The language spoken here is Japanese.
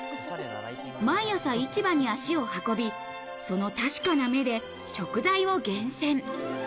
毎朝市場に足を運び、その確かな目で食材を厳選。